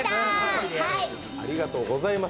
ありがとうございます。